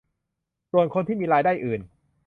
ส่วนคนที่มีรายได้อื่น